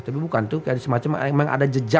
tapi bukan itu kayak semacam memang ada jejak